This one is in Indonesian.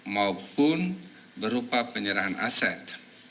maupun berupa penyerahan aset